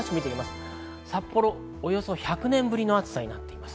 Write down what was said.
およそ１００年ぶりの暑さになっています。